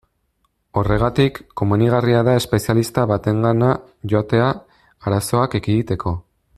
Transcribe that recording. Horregatik, komenigarria da espezialista batengana joatea, arazoak ekiditeko.